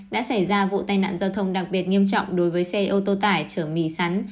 đã xảy ra vụ tai nạn giao thông đặc biệt nghiêm trọng đối với xe ô tô tải chở mì sắn